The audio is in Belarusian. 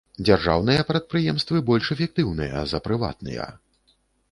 Дзяржаўныя прадпрыемствы больш эфектыўныя за прыватныя.